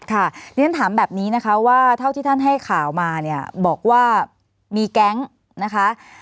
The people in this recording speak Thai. เรียนถามแบบนี้นะคะว่าเท่าที่ท่านให้ข่าวมาเนี่ยบอกว่ามีแก๊งนะคะ